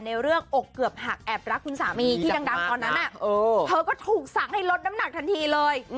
ในเรื่องอกเกือบหักแอบรักคุณสามีที่ดังตอนนั้นเธอก็ถูกสั่งให้ลดน้ำหนักทันทีเลย